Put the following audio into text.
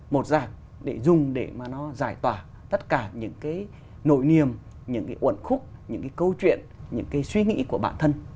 một dạng để dùng để mà nó giải tỏa tất cả những cái nội niềm những cái uẩn khúc những cái câu chuyện những cái suy nghĩ của bản thân